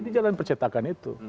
ini jalan percetakan itu